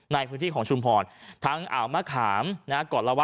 ในพื้นที่ของชุมปลอดทั้งอาวมะขามกรก๎าวะ